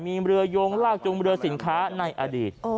มีเรือยงลากจุงเรือสินค้าในอดีต